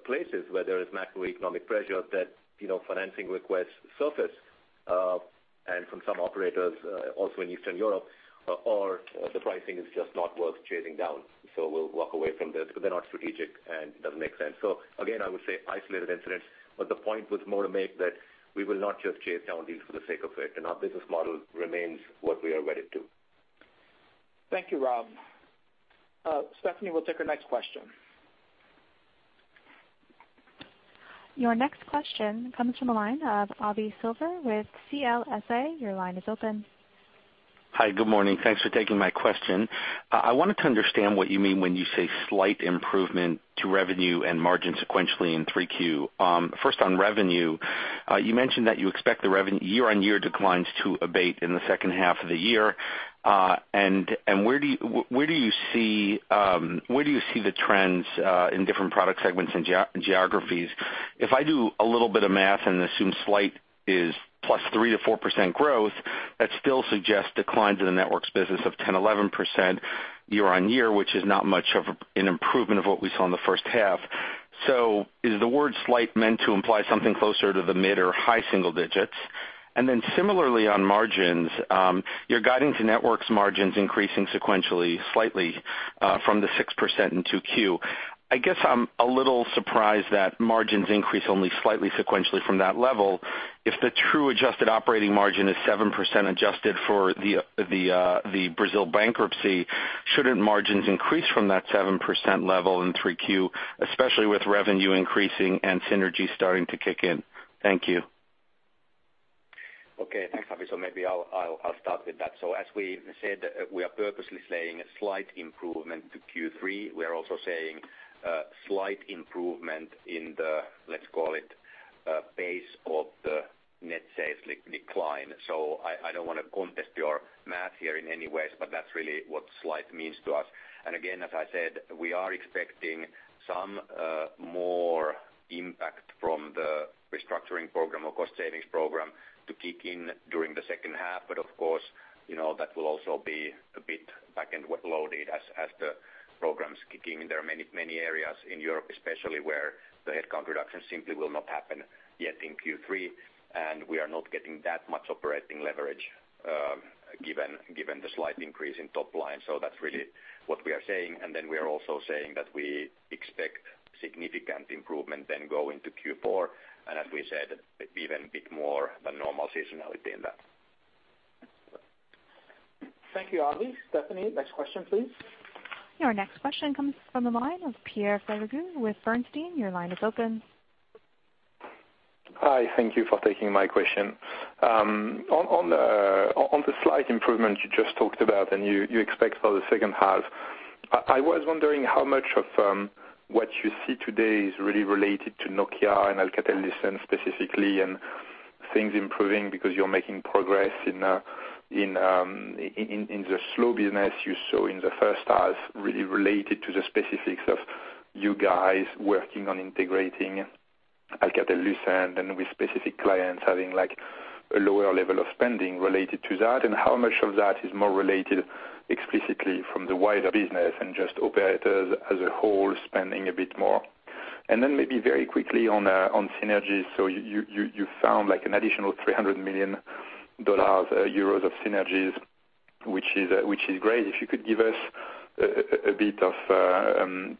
places where there is macroeconomic pressure that financing requests surface. From some operators also in Eastern Europe, or the pricing is just not worth chasing down. We'll walk away from this because they're not strategic and doesn't make sense. Again, I would say isolated incidents, the point was more to make that we will not just chase down deals for the sake of it, and our business model remains what we are wedded to. Thank you, Rob. Stephanie, we'll take our next question. Your next question comes from the line of Avi Silver with CLSA. Your line is open. Hi, good morning. Thanks for taking my question. I wanted to understand what you mean when you say slight improvement to revenue and margin sequentially in 3Q. First on revenue, you mentioned that you expect the year-over-year declines to abate in the second half of the year. Where do you see the trends in different product segments and geographies? If I do a little bit of math and assume slight is +3%-4% growth, that still suggests declines in the networks business of 10%-11% year-over-year, which is not much of an improvement of what we saw in the first half. Is the word slight meant to imply something closer to the mid or high single digits? Similarly on margins, you're guiding to networks margins increasing sequentially slightly from the 6% in 2Q. I guess I'm a little surprised that margins increase only slightly sequentially from that level if the true adjusted operating margin is 7% adjusted for the Brazil bankruptcy. Shouldn't margins increase from that 7% level in 3Q, especially with revenue increasing and synergy starting to kick in? Thank you. Okay. Thanks, Avi. Maybe I'll start with that. As we said, we are purposely saying a slight improvement to Q3. We are also saying slight improvement in the, let's call it, base of the net sales decline. I don't want to contest your math here in any ways, but that's really what slight means to us. Again, as I said, we are expecting some more impact from the restructuring program or cost savings program to kick in during the second half. Of course, that will also be a bit back-end loaded as the programs kick in. There are many areas in Europe especially where the headcount reduction simply will not happen yet in Q3, and we are not getting that much operating leverage given the slight increase in top line. That's really what we are saying, and then we are also saying that we expect significant improvement then go into Q4, and as we said, even a bit more than normal seasonality in that. Thank you, Avi. Stephanie, next question, please. Your next question comes from the line of Pierre Ferragu with Bernstein. Your line is open. Hi. Thank you for taking my question. On the slight improvement you just talked about and you expect for the second half, I was wondering how much of what you see today is really related to Nokia and Alcatel-Lucent specifically, and things improving because you're making progress in the slow business you saw in the first half really related to the specifics of you guys working on integrating Alcatel-Lucent and with specific clients having a lower level of spending related to that, and how much of that is more related explicitly from the wider business and just operators as a whole spending a bit more? Maybe very quickly on synergies. You found an additional EUR 300 million of synergies, which is great. If you could give us a bit of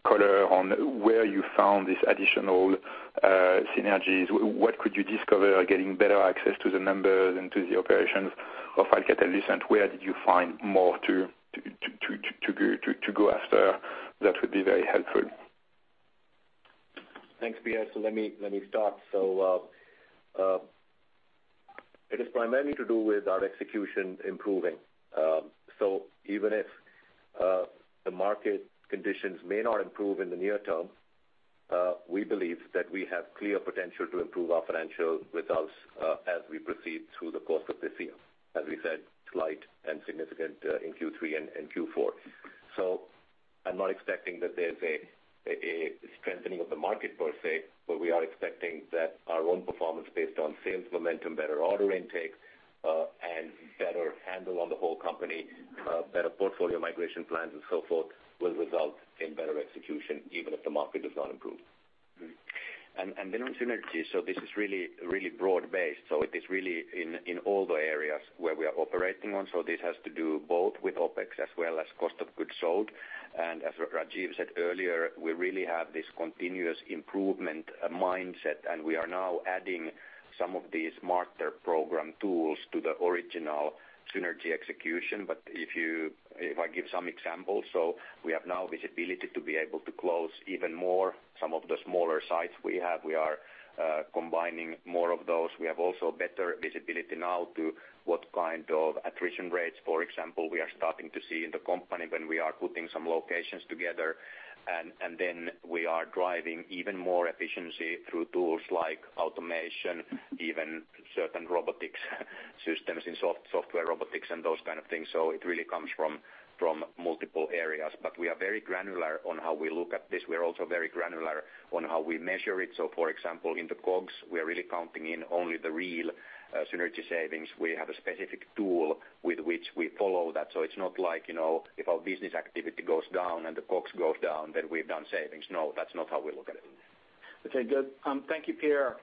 color on where you found these additional synergies, what could you discover getting better access to the numbers and to the operations of Alcatel-Lucent? Where did you find more to go after? That would be very helpful. Thanks, Pierre. Let me start. It is primarily to do with our execution improving. Even if the market conditions may not improve in the near term, we believe that we have clear potential to improve our financial results, as we proceed through the course of this year, as we said, slight and significant in Q3 and Q4. I'm not expecting that there's a strengthening of the market per se, but we are expecting that our own performance based on sales momentum, better order intake, and better handle on the whole company, better portfolio migration plans and so forth, will result in better execution even if the market does not improve. On synergies, this is really broad based. It is really in all the areas where we are operating on. This has to do both with OpEx as well as COGS. As Rajeev said earlier, we really have this continuous improvement mindset, and we are now adding some of these smarter network program tools to the original synergy execution. If I give some examples. We have now visibility to be able to close even more some of the smaller sites we have. We are combining more of those. We have also better visibility now to what kind of attrition rates, for example, we are starting to see in the company when we are putting some locations together. We are driving even more efficiency through tools like automation, even certain robotics systems in software robotics and those kind of things. It really comes from multiple areas. We are very granular on how we look at this. We're also very granular on how we measure it. For example, in the COGS, we are really counting in only the real synergy savings. We have a specific tool with which we follow that. It's not like if our business activity goes down and the COGS goes down, then we've done savings. No, that's not how we look at it. Okay, good. Thank you, Pierre.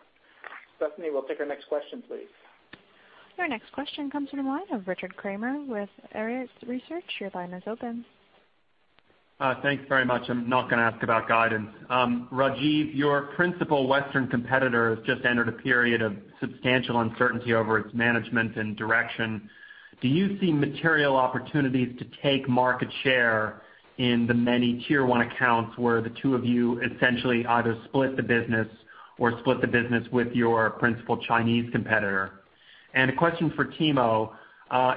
Stephanie, we'll take our next question, please. Our next question comes from the line of Richard Kramer with Arete Research. Your line is open. Thanks very much. I'm not going to ask about guidance. Rajeev, your principal Western competitor has just entered a period of substantial uncertainty over its management and direction. Do you see material opportunities to take market share in the many tier 1 accounts where the two of you essentially either split the business or split the business with your principal Chinese competitor? A question for Timo.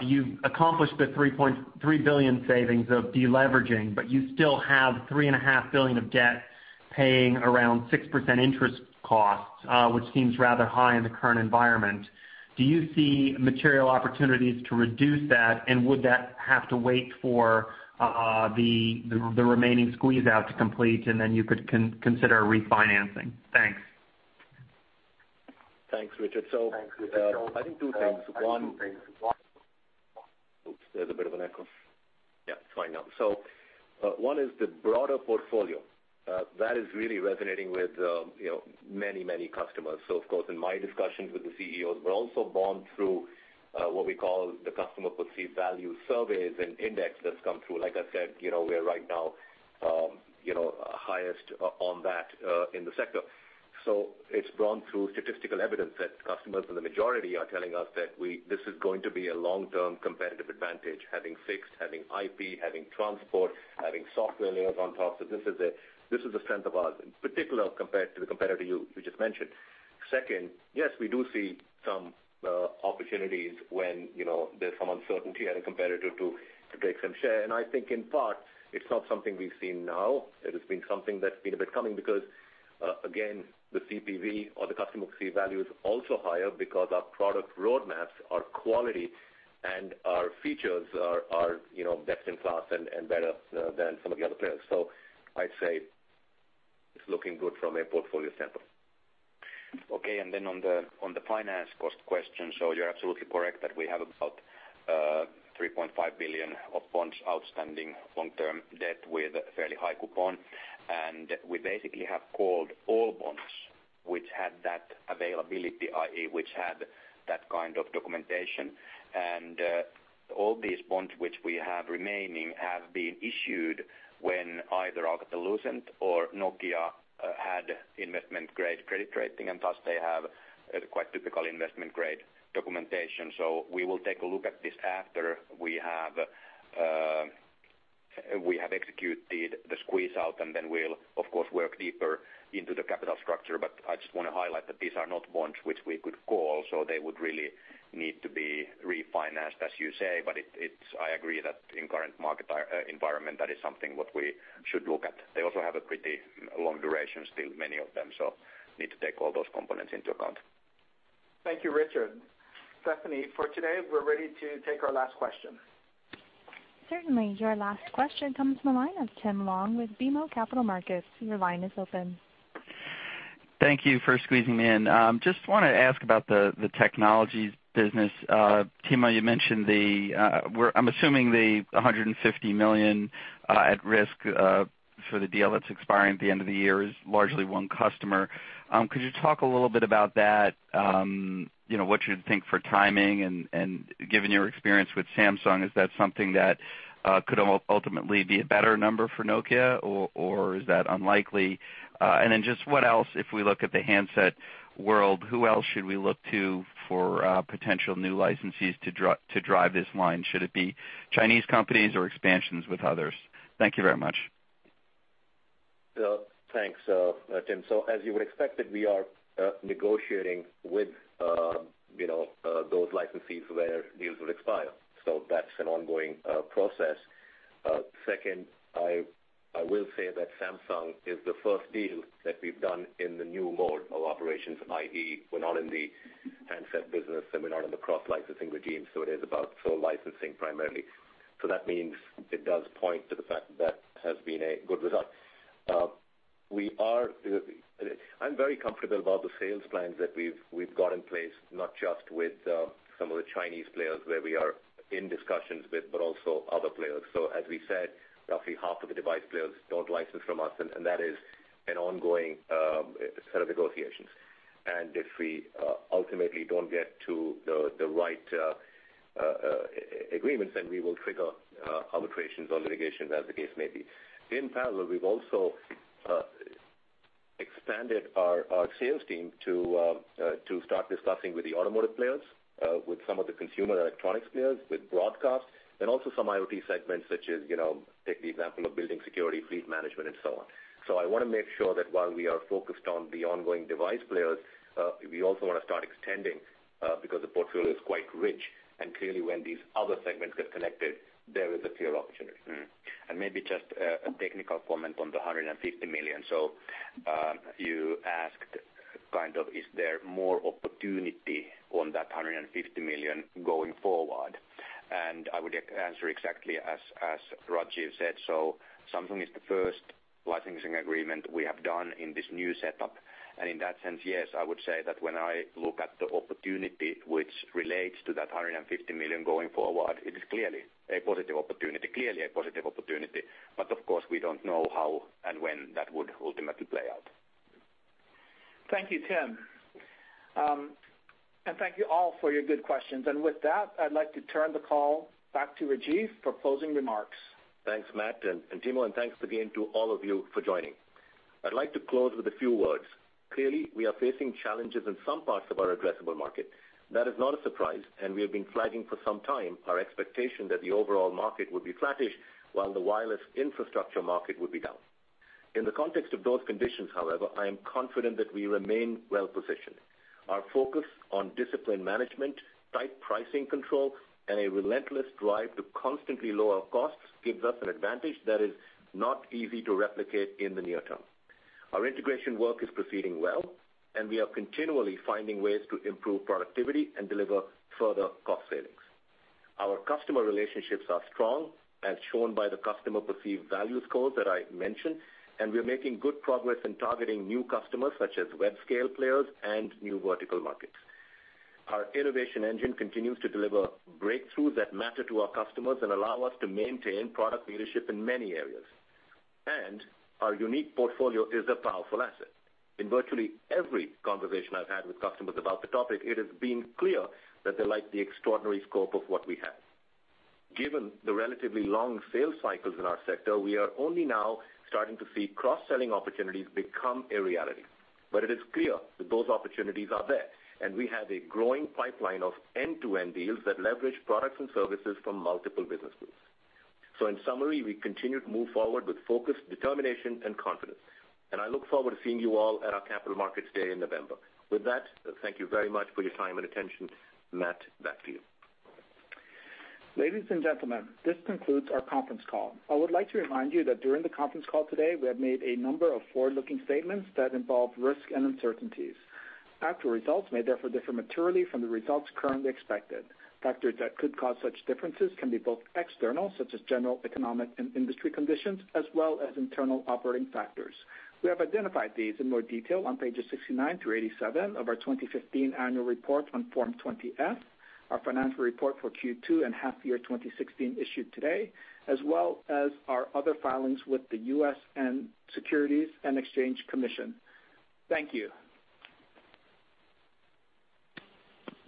You've accomplished the 3.3 billion savings of deleveraging, but you still have 3.5 billion of debt paying around 6% interest costs, which seems rather high in the current environment. Do you see material opportunities to reduce that? Would that have to wait for the remaining squeeze out to complete, and then you could consider refinancing? Thanks. Thanks, Richard. I think two things. One is the broader portfolio. That is really resonating with many customers. Of course, in my discussions with the CEOs, but also borne through what we call the customer perceived value surveys and index that's come through. Like I said, we are right now highest on that in the sector. It is borne through statistical evidence that customers and the majority are telling us that this is going to be a long-term competitive advantage, having fixed, having IP, having transport, having software layers on top. This is the strength of ours, in particular, compared to the competitor you just mentioned. Second, yes, we do see some opportunities when there's some uncertainty in a competitor to take some share. I think in part, it's not something we've seen now. It has been something that's been a bit coming because, again, the CPV or the customer perceived value is also higher because our product roadmaps, our quality, and our features are best in class and better than some of the other players. I'd say it's looking good from a portfolio standpoint. On the finance cost question. You're absolutely correct that we have about 3.5 billion of bonds outstanding long-term debt with a fairly high coupon. We basically have called all bonds which had that availability, i.e., which had that kind of documentation. All these bonds which we have remaining have been issued when either Alcatel-Lucent or Nokia had investment-grade credit rating, and thus they have quite typical investment-grade documentation. We will take a look at this after we have executed the squeeze out, and then we'll of course work deeper into the capital structure. I just want to highlight that these are not bonds which we could call, so they would really need to be refinanced, as you say. I agree that in current market environment, that is something what we should look at. They also have a pretty long duration still, many of them, so need to take all those components into account. Thank you, Richard. Stephanie, for today, we are ready to take our last question. Certainly. Your last question comes from the line of Tim Long with BMO Capital Markets. Your line is open. Thank you for squeezing me in. Just want to ask about the Nokia Technologies business. Timo, you mentioned the, I am assuming the 150 million at risk for the deal that is expiring at the end of the year is largely one customer. Could you talk a little bit about that? What you think for timing and given your experience with Samsung, is that something that could ultimately be a better number for Nokia or is that unlikely? What else, if we look at the handset world, who else should we look to for potential new licensees to drive this line? Should it be Chinese companies or expansions with others? Thank you very much. Thanks, Tim. As you would expect that we are negotiating with those licensees where deals will expire. That is an ongoing process. Second, I will say that Samsung is the first deal that we have done in the new mode of operations, i.e., we are not in the handset business and we are not in the cross-licensing regime, so it is about sole licensing primarily. That means it does point to the fact that has been a good result. I am very comfortable about the sales plans that we have got in place, not just with some of the Chinese players where we are in discussions with, but also other players. As we said, roughly half of the device players do not license from us, and that is an ongoing set of negotiations. If we ultimately don't get to the right agreements, we will trigger arbitrations or litigations as the case may be. In parallel, we've also expanded our sales team to start discussing with the automotive players, with some of the consumer electronics players, with broadcast, and also some IoT segments such as, take the example of building security, fleet management, and so on. I want to make sure that while we are focused on the ongoing device players, we also want to start extending because the portfolio is quite rich, and clearly when these other segments get connected, there is a clear opportunity. Maybe just a technical comment on the 150 million. You asked kind of is there more opportunity on that 150 million going forward? I would answer exactly as Rajeev said. Samsung is the first licensing agreement we have done in this new setup. In that sense, yes, I would say that when I look at the opportunity which relates to that 150 million going forward, it is clearly a positive opportunity. Of course, we don't know how and when that would ultimately play out. Thank you, Tim. Thank you all for your good questions. With that, I'd like to turn the call back to Rajeev for closing remarks. Thanks, Matt and Timo, thanks again to all of you for joining. I'd like to close with a few words. Clearly, we are facing challenges in some parts of our addressable market. That is not a surprise, and we have been flagging for some time our expectation that the overall market would be flattish while the wireless infrastructure market would be down. In the context of those conditions, however, I am confident that we remain well-positioned. Our focus on disciplined management, tight pricing control, and a relentless drive to constantly lower costs gives us an advantage that is not easy to replicate in the near term. Our integration work is proceeding well, and we are continually finding ways to improve productivity and deliver further cost savings. Our customer relationships are strong, as shown by the customer perceived value scores that I mentioned, and we are making good progress in targeting new customers such as web-scale players and new vertical markets. Our innovation engine continues to deliver breakthroughs that matter to our customers and allow us to maintain product leadership in many areas. Our unique portfolio is a powerful asset. In virtually every conversation I've had with customers about the topic, it has been clear that they like the extraordinary scope of what we have. Given the relatively long sales cycles in our sector, we are only now starting to see cross-selling opportunities become a reality. It is clear that those opportunities are there, and we have a growing pipeline of end-to-end deals that leverage products and services from multiple business groups. In summary, we continue to move forward with focus, determination, and confidence. I look forward to seeing you all at our Capital Markets Day in November. With that, thank you very much for your time and attention. Matt, back to you. Ladies and gentlemen, this concludes our conference call. I would like to remind you that during the conference call today, we have made a number of forward-looking statements that involve risks and uncertainties. Actual results may therefore differ materially from the results currently expected. Factors that could cause such differences can be both external, such as general economic and industry conditions, as well as internal operating factors. We have identified these in more detail on pages 69 through 87 of our 2015 annual report on Form 20-F, our financial report for Q2 and half year 2016 issued today, as well as our other filings with the U.S. Securities and Exchange Commission. Thank you.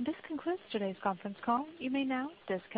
This concludes today's conference call. You may now disconnect.